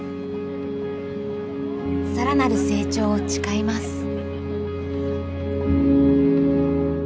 更なる成長を誓います。